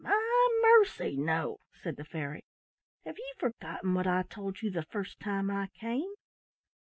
"My mercy, no!" said the fairy. "Have you forgotten what I told you the first time I came?"